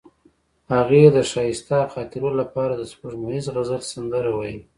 هغې د ښایسته خاطرو لپاره د سپوږمیز غزل سندره ویله.